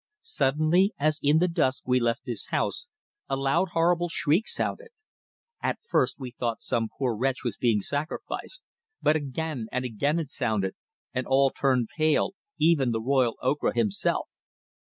Suddenly, as in the dusk we left this house, a loud horrible shriek sounded. At first we thought some poor wretch was being sacrificed, but again and again it sounded, and all turned pale, even the royal Ocra himself.